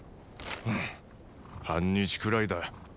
フッ半日くらいだ。